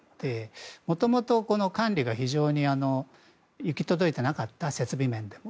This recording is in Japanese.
もともと管理が非常に行き届いていなかった設備面で。